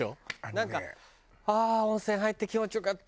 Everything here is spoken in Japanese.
なんか「ああー温泉入って気持ちよかった」。